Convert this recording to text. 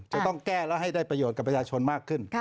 จะต้องแก้แล้วให้ได้ประโยชน์กับประชาชนมากขึ้น